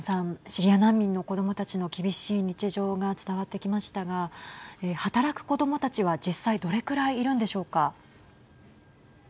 シリア難民の子どもたちの厳しい日常が伝わってきましたが働く子どもたちは実際どれくらいいるんでしょうか。